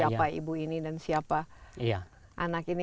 siapa ibu ini dan siapa anak ini